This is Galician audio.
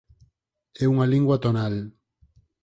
É unha lingua tonal.